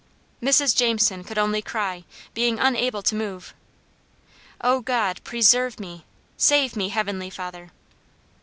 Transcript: Mrs. Jameson could only cry, being unable to move, "Oh God! preserve me! save me, heavenly Father!"